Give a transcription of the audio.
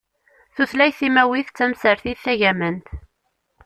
Tutlayt timawit d tamsertit tagamant.